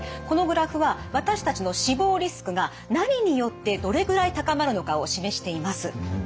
このグラフは私たちの死亡リスクが何によってどれぐらい高まるのかを示しています。